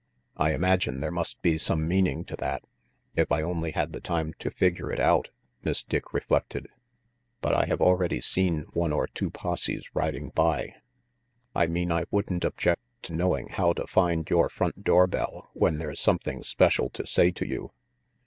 " I imagine there must be some meaning to that if I only had the time to figure it out," Miss Dick reflected, " but I have already seen one or two posses riding by." "I mean I wouldn't object to knowing how to find your front doorbell when there's something special to say to you."